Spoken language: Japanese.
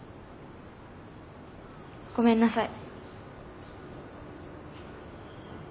ごめんなさい。